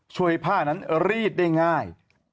ช่วยผ้านั้นรีดได้ง่าย